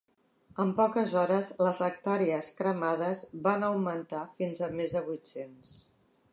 En poques hores les hectàrees cremades van augmentar fins a més de vuit-cents.